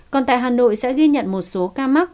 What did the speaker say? còn tại hà nội sẽ ghi nhận một số ca mắc